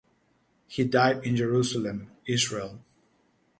He died in Jerusalem, Israel.